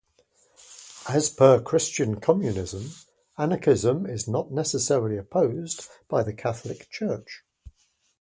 As per Christian communism, anarchism is not necessarily opposed by the Catholic Church.